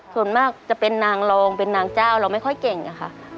ส่วนมากจะเป็นนางรองเป็นนางเจ้าเราไม่ค่อยเก่งอะค่ะ